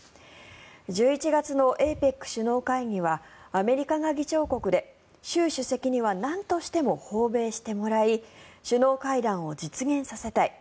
１１月のＡＰＥＣ首脳会議はアメリカが議長国で習主席にはなんとしても訪米してもらい首脳会談を実現させたい。